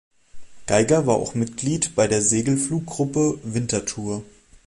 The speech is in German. Geiger war auch Mitglied bei der Segelfluggruppe Winterthur.